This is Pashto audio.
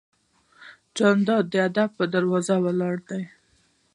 جانداد د ادب په دروازه ولاړ دی.